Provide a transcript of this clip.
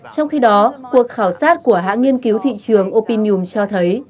trong khi đó cuộc khảo sát của hãng nghiên cứu thị trường opinum cho thấy